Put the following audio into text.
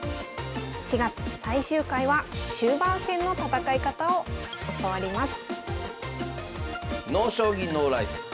４月最終回は終盤戦の戦い方を教わります